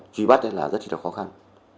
truy bắt rất khó khăn